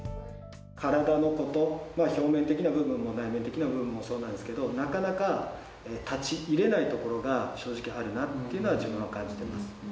体のことは、表面的な部分も内面的な部分もそうなんですけど、なかなか立ち入れないところが正直あるなというのは自分は感じてます。